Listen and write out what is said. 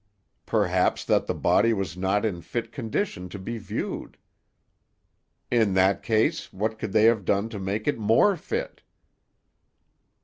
"Perhaps that the body was not in fit condition to be viewed." "In that case what could they have done to make it more fit?"